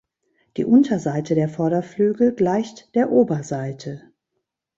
Die Unterseite der Vorderflügel gleicht der Oberseite.